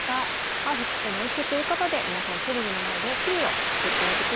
パーフェクトな一手ということで皆さんテレビの前でＰを作ってみてください。